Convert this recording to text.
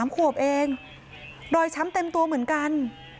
๓ขวบเองรอยช้ำเต็มตัวเหมือนกัน